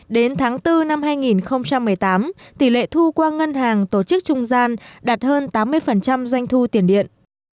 đến tháng bốn năm hai nghìn một mươi tám tỷ lệ thu qua ngân hàng tổ chức trung gian đạt hơn tám mươi doanh thu tiền điện